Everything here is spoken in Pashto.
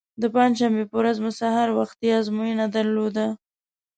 د پنجشنبې په ورځ مو سهار وختي ازموینه درلوده.